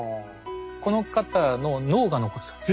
この方の脳が残っていたんです。